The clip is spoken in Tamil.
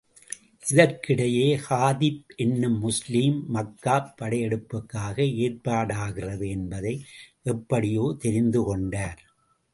இதற்கிடையே, ஹாதிப் என்னும் முஸ்லிம், மக்காப் படையெடுப்புக்காக ஏற்பாடாகிறது என்பதை எப்படியோ தெரிந்து கொண்டார்.